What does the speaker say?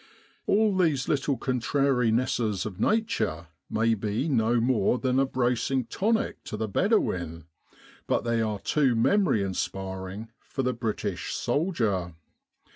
All these little contrarinesses of nature may be no more than a bracing tonic to the Bedouin, but they are too memory inspiring for the British soldier.